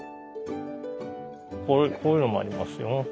こういうのもありますよ。